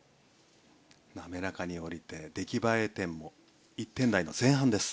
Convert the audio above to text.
滑らかに降りて出来栄え点も１点台の前半です。